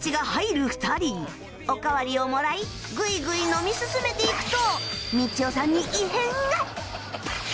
おかわりをもらいグイグイ飲み進めていくと